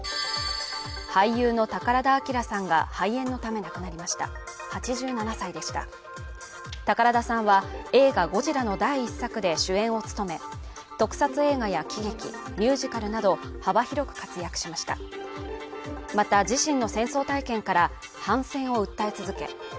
俳優の宝田明さんが肺炎のため亡くなりました８７歳でした宝田さんは映画「ゴジラ」の第１作で主演を務め特撮映画や喜劇ミュージカルなど幅広く活躍しましたまた自身の戦争体験から反戦を訴え続け